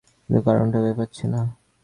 কিন্তু কারণটা ভেবে পাচ্ছি না।